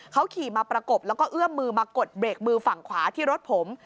เขาขี่มาประกบแล้วก็เอื้อมมือมากดเบรกมือฝั่งขวาที่รถผม